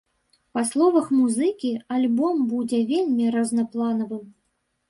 Па словах музыкі, альбом будзе вельмі рознапланавым.